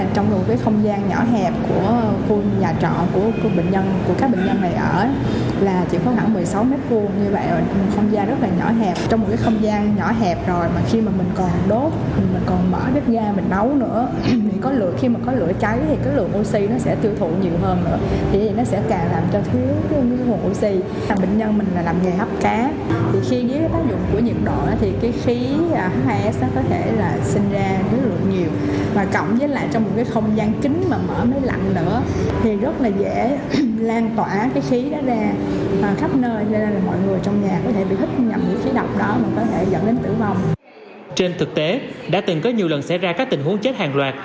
trên thực tế đã từng có nhiều lần xảy ra các tình huống chết hàng loạt